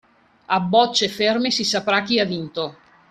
A bocce ferme si saprà chi ha vinto.